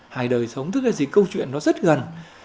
hay đời sống tức là gì câu chuyện nó rất gần